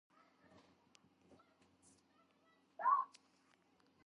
ჯგუფი შედგება გერმანიის, ავსტრალიის, სერბეთისა და განის ნაკრებებისგან.